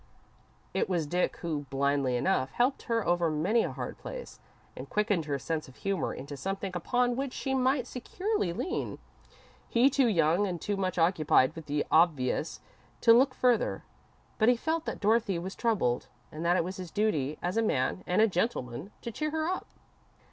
It was Dick who, blindly enough, helped her over many a hard place, and quickened her sense of humour into something upon which she might securely lean. He was too young and too much occupied with the obvious to look further, but he felt that Dorothy was troubled, and that it was his duty, as a man and a gentleman, to cheer her up.